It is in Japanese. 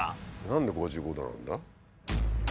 何で５５℃なんだ？